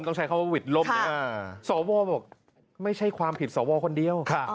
ต้องใช้คำว่าหวิดล่มนะสวบอกไม่ใช่ความผิดสวคนเดียว